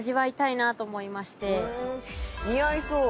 「似合いそう」